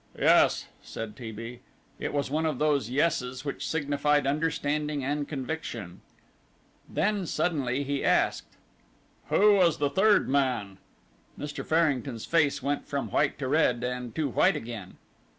"Yes," said T. B. It was one of those "yesses" which signified understanding and conviction. Then suddenly he asked: "Who was the third man?" Mr. Farrington's face went from white to red, and to white again.